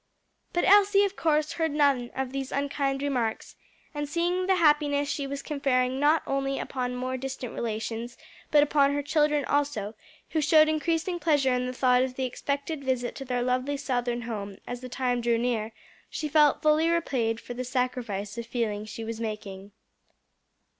But Elsie, of course, heard none of these unkind remarks, and seeing the happiness she was conferring not only upon more distant relations but upon her children also, who showed increasing pleasure in the thought of the expected visit to their lovely southern home as the time drew near, she felt fully repaid for the sacrifice of feeling she was making.